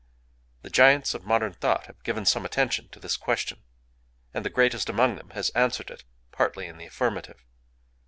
The giants of modern thought have given some attention to this question; and the greatest among them has answered it—partly in the affirmative.